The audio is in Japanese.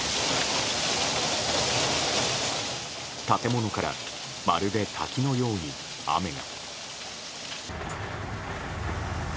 建物からまるで滝のように雨が。